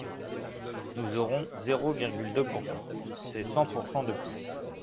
Nous aurons zéro virgule deux pourcent, c’est cent pourcent de plus